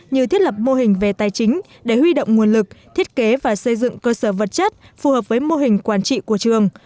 như thiết lập mô hình về tài chính để huy động nguồn lực thiết kế và xây dựng cơ sở vật chất phù hợp với mô hình quản trị của trường